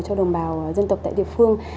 cho đồng bào dân tộc tại địa phương